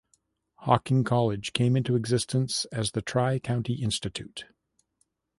Hocking College came into existence as the Tri-County Institute.